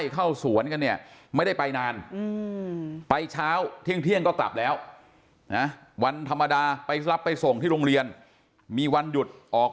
ก็ตับแล้ววันธรรมดาไปรับไปส่งที่โรงเรียนมีวันหยุดออก